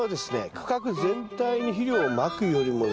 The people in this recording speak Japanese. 区画全体に肥料をまくよりもですね